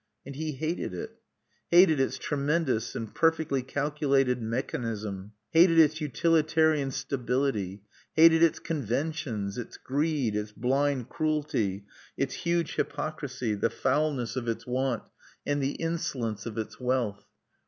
And he hated it, hated its tremendous and perfectly calculated mechanism; hated its utilitarian stability; hated its conventions, its greed, its blind cruelty, its huge hypocrisy, the foulness of its want and the insolence of its wealth.